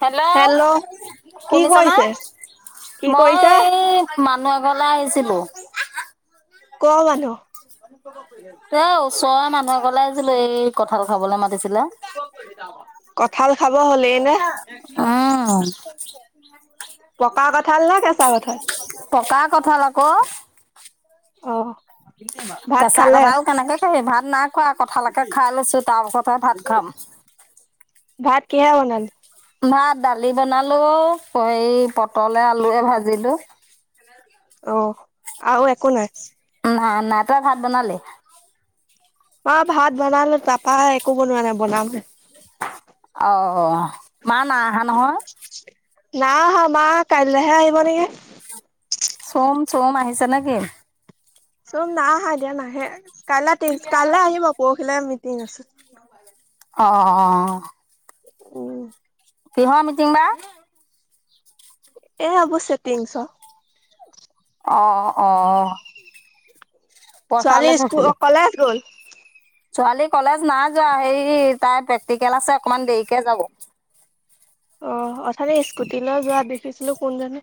Hello, কি শুনিছানে। কৰিছে কি মই, কৰিছে এই মানুহ এঘৰলৈ আহিছিলো। ক'ৰ মানুহ। এ, ওচৰৰ মানুহে এঘৰলৈ আহিছিলোঁ। এই কঁঠাল খাবলৈ মাতিছিলে। কঠাল খাব হ'লেই নে। উম, পকা কঠাল নে, কেঁচা কঠাল। পকা কঁঠাল আকৌ। অ, ভাত কেঁচা খালে কাঠাল কেনেকে খাবি ভাত নাইখোৱা কঠালকে খাই লৈছো তাৰপাছতহে ভাত খাম। ভাত কিহে বনালি? ভাত দালি বনালো, হেৰি পটলে আলুৱে ভাজিলো। অ' আৰু একো নাই? নাই নাই তই ভাত বনালি? মই ভাত বনালো, তাৰাপা একো বনোৱা নাই বনাম হে। অ', মা নাই অহা নহয়? নাই আহা মা কাইলৈহে আহিব নেকি? চোম চুম আহিছো নে কি? চুম নাই আহা, এতিয়া নাহে কাইলৈ কাইলৈ আহিব পৰহিলৈ মিটিং আছে। অ', অ'। উম। কিহৰ মিটিং বা। এ আব চেটিংছ। অ' অ' অ' পইচা লৈ থৈছিলে [unintelligible] গোন [unintelligible] ছোৱালী কলেজ নাই যোৱা, হেৰি তাই প্ৰেক্টিকেল আছে অকমান দেৰিকে যাব। অ' অথনি স্কুটিলৈ যোৱা দেখিছিলো। কোন জনি,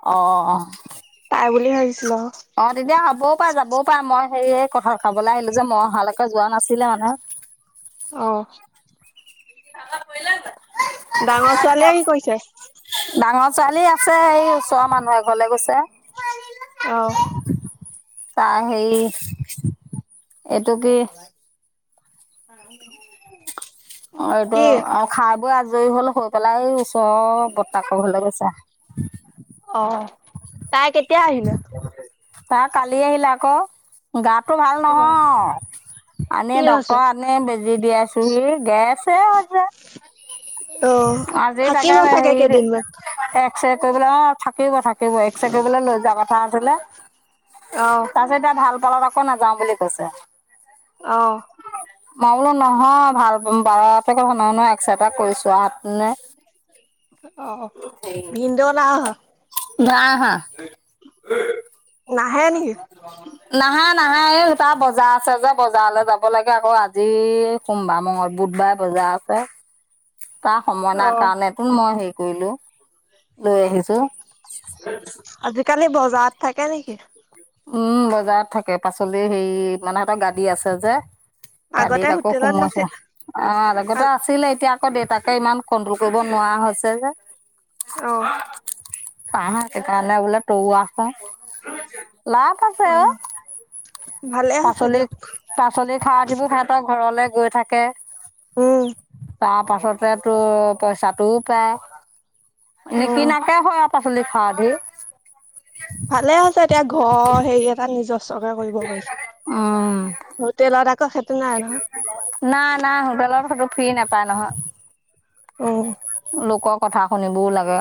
অ', অ', তাই বুলি ভাবিছিল অ', অ' তেতিয়া হবও পাৰে যাবও পাৰে। মই হে এই কঠাল খাবলৈ আহিলো যে মই অহালৈকে যোৱা নাছিলে মানে, অ', [unintelligible] [unintelligible] ডাঙৰ ছোৱালীয়ে কি কৰিছে। ডাঙৰ ছোৱালী আছে। সেই ওচৰৰ মানুহ এ ঘৰলৈ গৈছে। অ', তাৰ হেৰি এইটো কি। হ [unintelligible] অ', এইটো কি? আৰু খাই বৈ আজৰি হ'ল। হৈ পেলাই এই ওচৰৰ বৰ্তায়েকৰ ঘৰলৈ গৈছে। অ' তাই কেতিয়া আহিলে। তা কালি আহিলে আকৌ' গাটো ভাল অ', নহয়। আনে কি হৈছে? ড্ক্তৰ আনে বেজি দিয়াইছোহি গেছে হৈছে [unintelligible] অ', আজি থাকিব তাকে চাগে হেৰিৰে কেইদিনমান। এক্স ৰে কৰিবলৈ, অ', থাকিব থাকিব এক্স ৰে কৰিবলৈ লৈ যোৱা কথা আছিলে অ', তাৰপিছত, এতিয়া ভাল পালত আকৌ নাযাওঁ বুলি কৈছে অ', মই বোলো নহয় ভাল [unintelligible] এক্সৰে এটা কৰিছোঁ [unintelligible] অ' ভিনদ' না [unintelligible] নাহে নেকি? নাহা, নাহা, এই তাৰ বজাৰ আছে যে বজাৰলৈ যাব লাগে আকৌ আজি সোমবাৰ, মংগল, বুধবাৰে বজাৰ আছে তাৰ সময় না অ', কাৰণে [unintelligible] মই হেৰি কৰিলোঁ লৈ আহিছো আজিকালি বজাৰত থাকে নেকি? উম, বজাৰত থাকে পাচলি হেৰি মানে তা গাদী আছে যে আগতে গাদীত আকৌ হোটেলত সুমুৱাই থৈ নাছিল। আ আ, অ', আগতে আছিলে এতিয়া আকৌ দেউতাকে ইমান কণ্ট্ৰল কৰিব নোৱাৰা হৈছে যে। অ'। পাহা সেইকাৰণে বোলে তৌ আছে, লাভ আছে অ'। ভালে হৈছে পাচলি দিয়ক। পাচলি খাৱ উঠিবোৰ সিহঁতৰ ঘৰলে গৈ থাকে। উম। তাৰপাছতে তোৰ পইচাটোও পায়, অ', নিকিনাকে হয়। পাচলি খাওঁ ঢেৰ। ভালে হৈছে এতিয়া ঘৰ হেৰি এটা নিজস্বকে কৰিব উম পাৰিছে। হোটেলত ক সেইটো নাই নহয়। নাই নাই হোটেলত সেটো ফ্ৰী নাপায় নহয়। উম। লোকৰ কথা শুনিবও লাগে।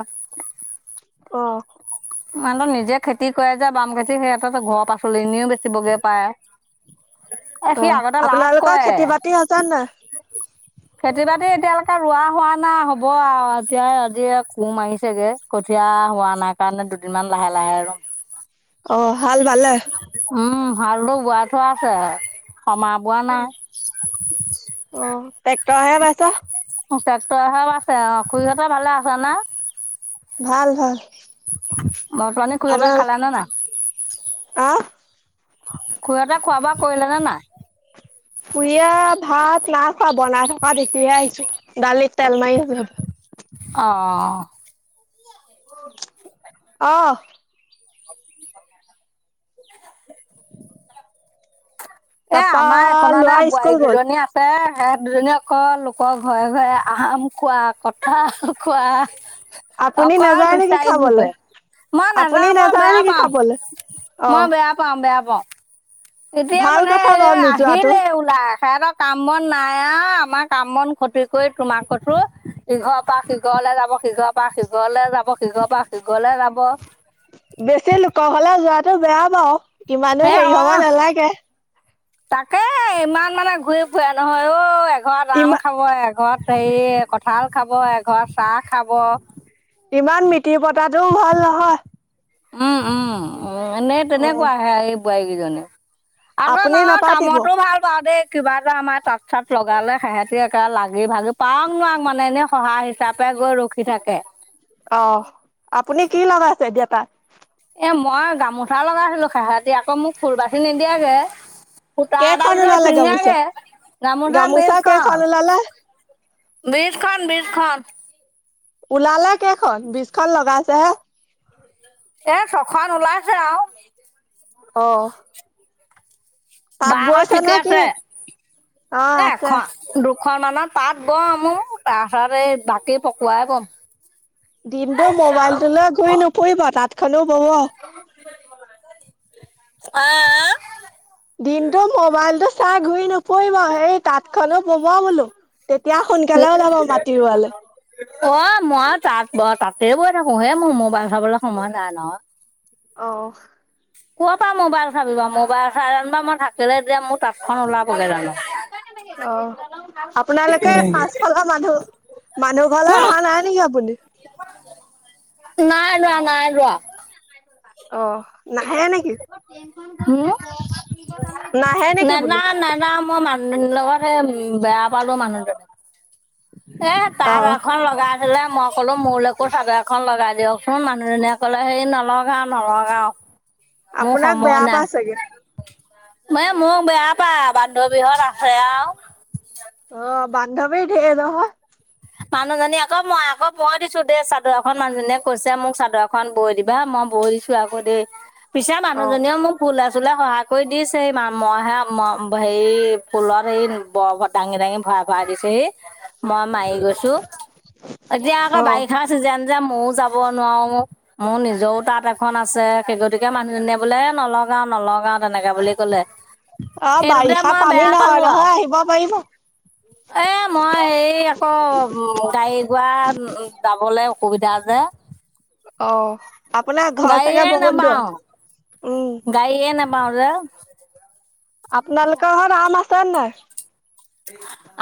অ'। মানুহটো নিজে খেতি কৰে যে, বাম খেতি সিহঁতৰ ঘৰ পাচলিখিনিও বেচিবগে পায়। এ, সি অ', আগতে লাজ আপোনালোকৰ কৰে। খেতি বাতি হৈছে নাই? খেতি বাতি এতিয়ালৈকে ৰোৱা হোৱা নাই হ'ব আৰু, এতিয়া আজি কু মাৰিছেগে, কঠিয়া হোৱা নাই। সেইকাৰণে দুদিনমান লাহে লাহে ৰ'ম। [unintelligible] হাল বালে? উম, হালটো বোৱাই থোৱা আছে। সমা বোৱা নাই। অ' ট্ৰেক্টৰেহে বাইছে। ট্ৰেক্টৰেহে বাইছে, আৰু খুৰীহঁতে ভালে আছেনে? ভাল ভাল। মদ পানী খুৰীহঁতে আপোনাৰ খালেনে নাই? আহ? খুৰীহঁতে খোৱা বোৱা কৰিলে নে নাই? খুৰীয়ে ভাত নাই খোৱা, বনাই থকা দেখিহে আহিছোঁ, দালিত তেল মাৰি আছ অ', অ'। অ'। এ, তাপা আমাৰ একনতে লৰা বোৱাৰী স্কুল গ'ল। দুজনী আ ছে সেই দুজনী আকৌ লোকৰ ঘৰে ঘৰে আম খোৱা, কঁঠাল খোৱা আপুনি অকল নাযায় নেকি বিচাৰি ঘূৰি খাবলে? ফুৰে। মই আপুনি নাযাওঁ, মই নাযায় বেয়া নেকি পাওঁ। খাবলে? মই অহ। বেয়া পাওঁ, বেয়া পাওঁ। এতিয়া ভাল মানে কথা বাৰু নোযোৱাটো। আহিলে সিহঁতৰ কাম বন নাই আৰু আমাৰ কাম বন ক্ষতি কৰি তোমাক কতো ইঘৰৰপৰা সিঘৰলৈ যাব, সিঘৰৰপৰা সিঘৰলৈ যাব, সিঘৰৰপৰা সিঘৰলৈ যাব। বেছি লোকৰ ঘৰলে যোৱাটো বেয়া বাৰু, ইমানো সেই হেৰি হ'ব হয় নালাগে। তাকে ইমান মানে ঘূৰি ফুৰে নহয় অ', এঘৰত আম ইমান খাব খ এঘৰত হেৰি কঠাল খাব, এঘৰত চাহ খাব ইমান মিতিৰ পতাটোও ভাল নহয়। উম, উম। উ, এনে অ। তেনেকুৱাহে এই বোৱাৰীকেইজনি। আকৌ আপুনি নহয় নাপাতিব। কামতো ভাল পাওঁ দেই। কিবা এটা আমাৰ তাঁত চাত লগালে সেহেঁতি একে লাগি ভাগি পাওক নোৱাৰ মানে এনে সহায় তাপে গৈ ৰখি থাকে। অ'। আপুনি কি লগাইছে এতিয়া তাত? এ, মই গামোচা লগাইছিলোঁ, সেহতি আকৌ মোক ফুৰ বাচি নিদিয়াগে। সূতা এডাল কেইখন যে ওলালে গামোচা চিঙাগে, গামোচা বেচ কৰে কেইখন আৰু। ওলালে বিছখন, বিছখন। ওলালে কেইখন, বিছখন লগাইছেহে। এ, ছখন ওলাইছে আৰু। অ'। তাঁত বাহঁত বৈছে ঠিকে নে কি আছে? অ এ আছে এখন দুখননত তাত বওঁ মোৰ তাৰপিছত এই বাকী পকুৱাই বওঁ। দিনটো মোবাইলটোলৈ গৈ নুফুৰিব তাঁতখননো বোব। অহ। দিনটো মোবাইলতটো চাই ঘূৰি নুফুৰিব সেই তাঁতখনো বোৱা বোলো। তেতিয়া সোনকালে ওলাব মাটি ৰোৱালে। অ', মই তাঁত ব তাঁতে বৈ থাকো হে মোৰ মোবাইল চাবলৈ সময় নাই ন। অ'। ক'ৰ পৰা মোবাইল চাবি বাৰু মোবাইল চাই জানো মই থাকিলে এতিয়া মোৰ তাঁতখন ওলাবগে জানো? অ', আপোনালোকে পাচঁশ ঘৰ মানুহ মানুহ ঘৰলৈ অহা নাই নেকি আপুনি? নাই ৰোৱা নাই ৰোৱা। অ'। নাহে নেকি হম নাহে নেকি বোলো? নেযাওঁ মই মানুহ লগত হে উম বেয়া পালো মানুহজনীক। এ অ তাতঁ এখন লগা হ'লে মই ক'লো মোলৈকো চাদৰ এখন লগাই দিয়কচোন। মানুহজনীয়ে ক'লে হেই নলগাওঁ নলগাওঁ। মোৰ আপোনাক সময় বেয়া নাই। পাই চাগে এ মোক বেয়া পায় বান্ধবীহঁত আছে আৰু। অ', বন্ধৱী ধেৰ নহয়। মানুহজনী আকৌ মই আকৌ মই দিছো দেই। চাদৰ এখন মানুহজনীয়ে কৈছে মোক চাদৰ খন বৈ দিবা মই বৈ দিছো আকৌ দেই। পিছে অ মানুহজনীয়েও মোক ফুলে চুলে সহায় কৰি দিছে। মইহে হেৰি ফুলত হেৰি বৰবোৰ দাঙি দাঙি ভৰা ভৰাই দিছেহি। মই মাৰি গৈছো। এতিয়া আকৌ অ বাৰিষাৰ চিজন যে মইও যাব নোৱাৰো। মোৰ নিজৰও তাঁত এখন আছে সেই গতিকে মানুহজনীয়ে বোলে নলগাওঁ নলগাওঁ তেনেকে বুলি ক'লে। অ', সেইটোতে বাৰিষাত মই পানী বেয়া নহয় পালো আৰু নহয় আহিব পাৰিব। এ মই হেৰি আকৌ গাড়ী গোৰা যাবলৈ অসুবিধা যে। অ', আপোনাৰ ঘৰ চাগে গাড়ীয়ে বহুত নাপাওঁ, দূৰত উম। গাড়ীয়ে নাপ নাপাওঁ যে। আপোনালোকৰ ঘৰত আম আছে নাই?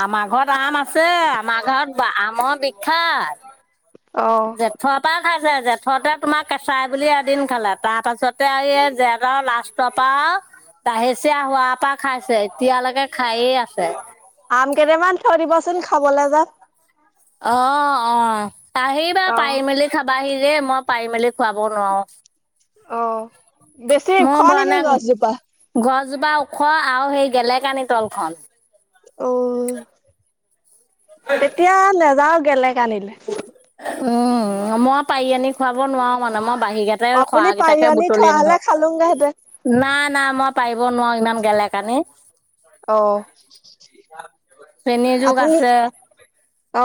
আমাৰ ঘৰত আম আছে আমাৰ ঘৰত আমৰ বিখ্যাত। অ [inaudible] জেঠৰ পৰা খাইছে জেঠতে তোমাৰ কেঁচাই বুলি এদিন খালে। তাৰপাছতে আৰু এই জেঠ আওঁ লাষ্ট তাৰপা দাহেচিয়ীয়া হোৱাৰ পৰা খাইছে এতিয়ালৈকে খায়ে আছে। আম কেইটামান থৈ দিবছোন খাবলৈ যাম। অ', অ', আহিবা অ পাৰি মেলি খাবাহি দে মই পাৰি মেলি খুৱাব নোৱাৰো। অ বেছি ওখ মই বোৱা নেকি নাই গছজোপা? গছজোপা ওখ আৰু সেই গেলেকানি তলখন। অ', তেতিয়া নাযাওঁ গেলেকানিত। উম, মই পাৰি আনি খুৱাব নোৱাৰো মানে মই বাহি যে সৰা আপুনি পাৰি কেইটাকে বুটলি থোৱা আনি হলে থওঁ। খালোংগেহেঁতেন। নাই নাই মই পাৰিব নোৱাৰো ইমান গেলেকানিত। অ' চেনীযুগ আপুনি আছে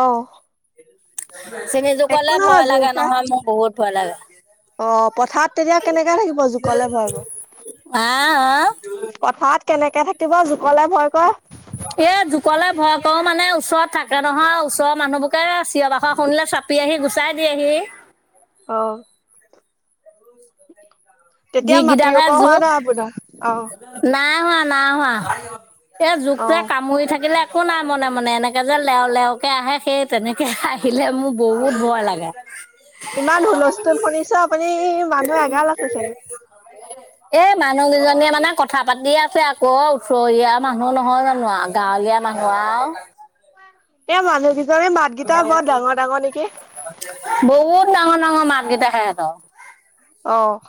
অ'। চিনিজোকলে নহয় ভয় লাগে জোকা নহয় মোৰ বহুত ভয় লাগে। অ' পথাৰত তেতিয়া কেনেকে থাকিব জোকলে ভয়কৰে। আহ, আহ। পথাৰত কেনেকে থাকিব জোকলে ভয় কৰে। এই জোকলে ভয় কৰোঁ মানে ওচৰত থাকে নহয়। ওচৰৰ মানুহবোৰকে চিঞৰ বাখৰ শুনিলে চাপি আহি গুচাই দিয়েহি। অ'। তেতিয়া মাটি যিকেইডালহে ৰুব হোৱা জোক নাই আপোনাৰ অ'। নাই হোৱা, নাই হোৱা, এই জোকটোৱে কামুৰি থাকিলে। একো নাই মনে মনে এনেকে যে লেও লেওকে আহে সেই তেনেকে আহিলে মোৰ বহুত অ' ভয় লাগে ইমান হুলস্থুল শুনিছোঁ। আপুনি মানুহ এগাল আছে চাগে। [inaudible] এই মানুহকেইজনীয়ে মানে কথা পাতিয়ে আছে। আকৌ ওচৰীয়া মানুহ নহয় জানো আৰু। গাঁৱলীয়া মানুহ আৰু। এ মানুহ কেইজনি মাত কেইটা বৰ ডাঙৰ ডাঙৰ নেকি? বহুত ডাঙৰ ডাঙৰ মাতকেইটা সেহঁতৰ। অ'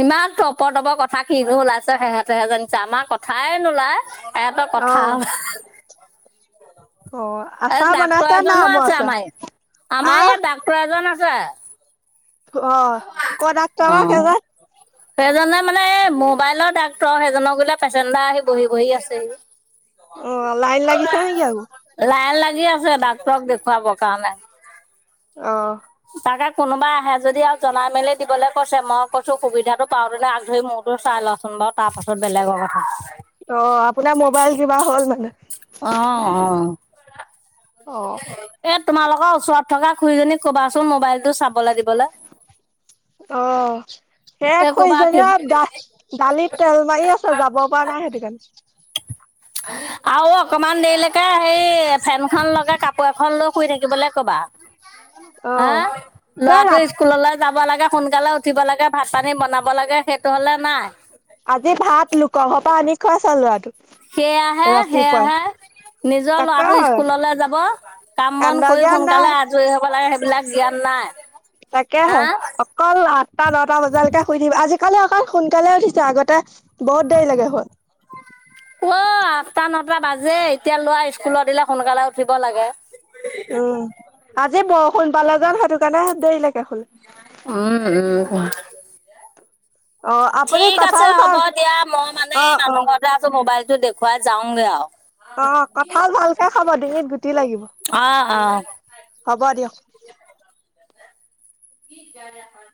ইমান তটপৰ তপৰ কথা কিনো ওলাইছে। সেহঁতেহে জানিছে আমাৰ কথাই নোলায়। সেহঁতৰ এটা অ কথা অ এই আচাৰ ডাক্তৰ বনাইছা না এজনো আমৰ আছে, আচাৰ আমাৰা আমাৰ আহ ইয়াত ডাক্তৰ এজনো আছে। অ' ক'ৰ ডাক্তৰৰো অ সেইজন? সেইজনে মানে এ মোবাইলৰ ডাক্তৰৰ। সেইজনৰ গুৰিলে পেচেণ্ডাৰ আহি বহি বহি আছেহি। অ' লাইন লাগিছে নেকি আকৌ? লাইন লাগি আছে ডাক্তৰক দেখুৱাবৰ কাৰণে। অ'। তাকে কোনোবাই আহে যদি আৰু জনাই মেলি দিবলৈ কৈছে, মই কৈছো সুবিধাটো পাউটিলে আগ ধৰি মোৰতো চাই লচোন বাৰু তাৰ পাছত বেলেগৰ কথা। অ' আপোনাৰ মোবাইল কিবা হ'ল মানে? অ' অ' অ' এ তোমালোকৰ ওচৰত থকা খু়ৰীজনীক কবাচোন মোবাইলটো চাবলৈ দিবলৈ। অ' সে এই ক'বা খুৰিজনি দা দালিত তেল মাৰি আছে যাব। পৰা নাই সেইটো কাৰণে। আৰু অকমান দেৰিলৈকে সেই ফেনখন লগাই কাপোৰ এখন লৈ শুই থাকিবলৈ ক'বা। অ হা এই ল'ৰাটো ৰা স্কুল স্কুললৈ যাব লাগে, সোনকালে উঠিব লাগে, ভাত পানী বনাব লাগে, সেইটো হ'লে নাই। আজি ভাত লোক ঘৰৰ পৰা আনি খোৱাইছে ল'ৰাটোক। সেয়া আহে, সেয়া ৰাতিপুৱাই আহে। নিজৰ তাকে ল'ৰাটো হয় স্কুললে যাব কাম বন কান্দা কৰি জ্ঞান নাই সোনকালে আজয়ি হ'ব লাগে, সেইবিলাক জ্ঞান নাই। তাকেহে। হা অকল আঠটা, নটা বজালৈকে শুই থাকিবি আজিকালি অকন সোনকালে উঠিছোঁ, আগতে। বহুত দেৰি লৈকে শুৱ অ' আঠটা, নটা বাজে এতিয়া ল'ৰা স্কুলত দিলে সোনকালে উঠিব লাগে। উম, আজি বৰষুণ পালে যেন সেইটো কাৰণে দেৰিলৈকে শুলে। উম, উম। অ আপুনি ঠিক আছে কঁঠাল হ'ব খাওক দিয়া, মই মানে অ অ মানুহ ঘৰতে আছোঁ। মোবাইলটো দেখুৱাই যাওগে আৰু। অ' কঁঠাল ভালকে খাব ডিঙিত গুটি লাগিব অ অ হ'ব দিয়ক। কি যাৰ যাৰ খন